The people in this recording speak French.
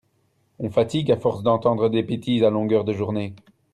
On fatigue à force d'entendre des bétises à longueur de journée.